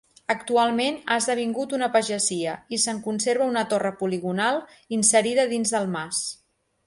Actualment ha esdevingut una pagesia i se'n conserva una torre poligonal inserida dins del mas.